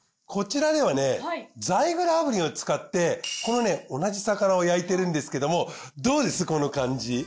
こちらではねザイグル炙輪を使ってこのね同じ魚を焼いてるんですけどもどうですこの感じ。